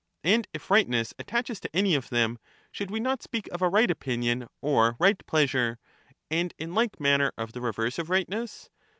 And if rightness attaches to any of them, should we not speak of a right opinion or right pleasure ; and in like manner of the reverse of rightness